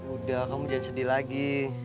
udah kamu jadi sedih lagi